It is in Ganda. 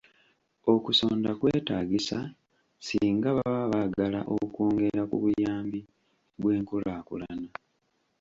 Okusonda kwetaagisa singa baba baagala okwongera ku buyambi bw'enkulaakulana.